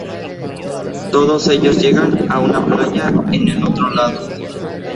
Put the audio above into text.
Todos ellos llegan a una playa en el otro lado.